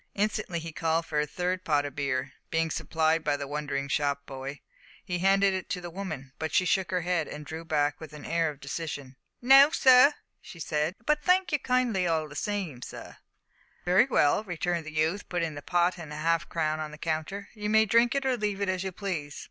Instantly he called for a third pot of beer. Being supplied by the wondering shop boy, he handed it to the woman; but she shook her head, and drew back with an air of decision. "No, sir," she said, "but thank you kindly all the same, sir." "Very well," returned the youth, putting the pot and a half crown on the counter, "you may drink it or leave it as you please.